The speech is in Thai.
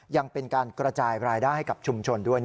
ยังเป็นการกระจายรายได้ให้กับชุมชนด้วย